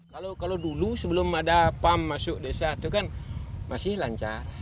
kalau dulu sebelum ada pump masuk desa itu kan masih lancar